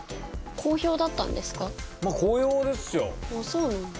そうなんだ。